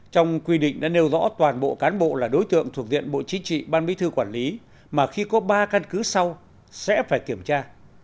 trong quy định đã nêu rõ toàn bộ cán bộ là đối tượng thuộc diện bộ chính trị ban bí thư quản lý mà khi có ba căn cứ sau sẽ phải kiểm tra